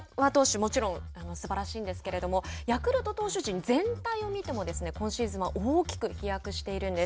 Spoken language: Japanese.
もちろんすばらしいんですけれどもヤクルト投手陣全体を見ても今シーズンは大きく飛躍しているんです。